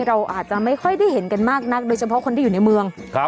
เราอาจจะไม่ค่อยได้เห็นกันมากนักโดยเฉพาะคนที่อยู่ในเมือง